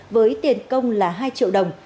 với tiền công là hai triệu đồng